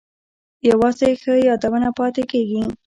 یوازې ښه یادونه پاتې کیږي